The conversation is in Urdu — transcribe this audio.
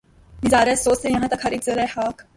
نظارہ سوز ہے یاں تک ہر ایک ذرّۂ خاک